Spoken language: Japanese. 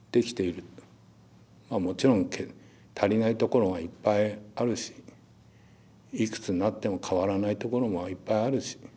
まあもちろん足りないところがいっぱいあるしいくつになっても変わらないところもいっぱいあるし。